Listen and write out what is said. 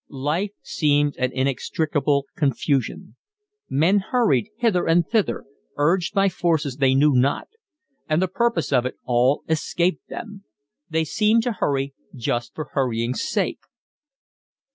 Life seemed an inextricable confusion. Men hurried hither and thither, urged by forces they knew not; and the purpose of it all escaped them; they seemed to hurry just for hurrying's sake.